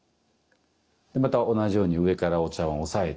また同じように上からお茶碗を押さえて。